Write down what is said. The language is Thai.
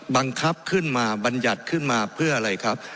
บังคับขึ้นมาบรรยัติขึ้นมาเพื่ออะไรครับ